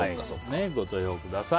ご投票ください。